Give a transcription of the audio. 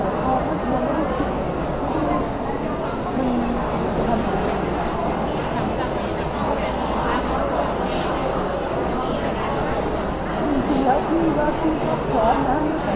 ตอนแรกยังไม่เห็นว่าจะต้องทำทีสิทธิ์แต่ตอนแรกยังไม่เห็นว่าจะต้องทำทีสิทธิ์